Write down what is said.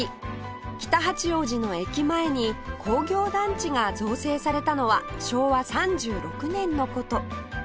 北八王子の駅前に工業団地が造成されたのは昭和３６年の事